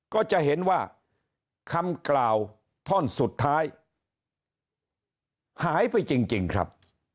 ก็จะเห็นว่าคำกล่าวท่อนสุดท้ายหายไปจริงครับ